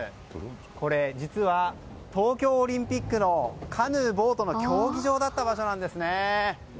これ実は東京オリンピックのカヌー、ボートの競技場だった場所なんです。